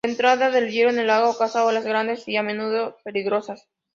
La entrada del hielo en el agua causa olas grandes y, a menudo, peligrosas.